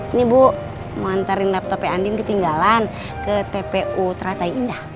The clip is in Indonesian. ini bu mau anterin laptopnya andin ketinggalan ke tpu terata indah